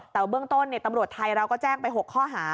แต่เบื้องต้นตำรวจไทยเราก็แจ้งไป๖ข้อหา